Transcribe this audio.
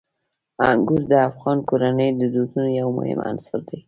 انګور د افغان کورنیو د دودونو یو مهم عنصر دی.